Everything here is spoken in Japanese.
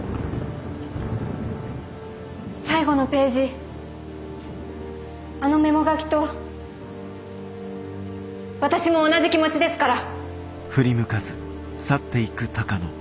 最後のページあのメモ書きと私も同じ気持ちですから。